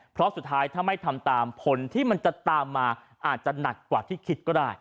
เพราะสุดท้ายถ้าไม่ทำตามผลที่มันจะตามมาอาจจะหนักกว่าที่คิดก็ได้